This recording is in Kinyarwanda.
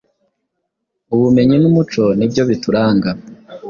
Ubumenyi n’Umuco nibyo bituranga